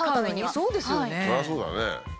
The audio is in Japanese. それはそうだね。